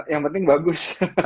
yang penting bagus